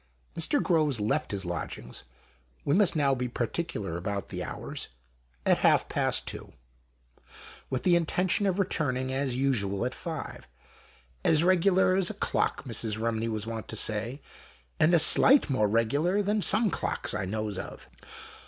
Mr. Groves left his lodgings — we must now be particular about the hours — at half past two. THE MAN WITH THE ROLLEB. with the intention of returning, as usual, at five. " As reg'lar as a clock," Mrs. Rumney was wont to say, "and a sight more reg'lar than some clocks I knows of."